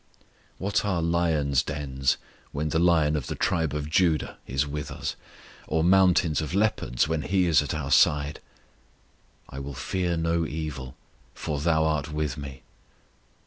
What are lions' dens when the Lion of the tribe of Judah is with us; or mountains of leopards, when He is at our side! "I will fear no evil, for Thou art with me."